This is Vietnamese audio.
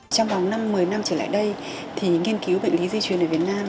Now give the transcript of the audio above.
trong vòng năm một mươi năm trở lại đây thì nghiên cứu bệnh lý di truyền ở việt nam